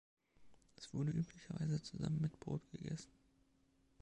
Es wurde üblicherweise zusammen mit Brot gegessen.